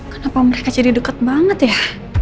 kenapa mereka jadi dekat banget ya